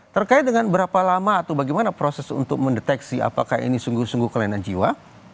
terkait dengan berapa lama atau bagaimana proses untuk mendeteksi apakah ini sungguh sungguh kelainan jiwa